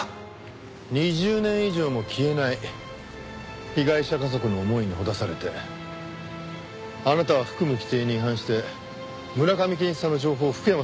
２０年以上も消えない被害者家族の思いにほだされてあなたは服務規程に違反して村上健一さんの情報を福山さんに教えてしまった。